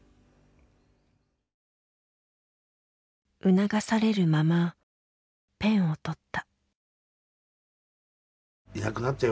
促されるままペンをとった。